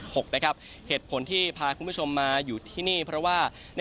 เหตุผลที่พาคุณผู้ชมมาอยู่ที่นี่เพราะว่า